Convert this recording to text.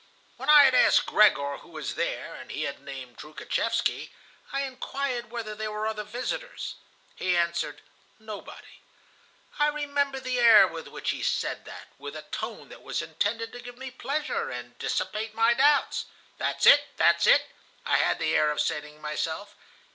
"When I had asked Gregor who was there, and he had named Troukhatchevsky, I inquired whether there were other visitors. He answered: 'Nobody.' I remember the air with which he said that, with a tone that was intended to give me pleasure, and dissipate my doubts. 'That's it! that's it!' I had the air of saying to myself.